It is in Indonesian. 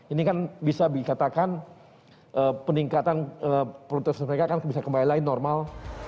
ini kan bisa dikatakan peningkatan produktivitas mereka kan bisa kembali lagi normal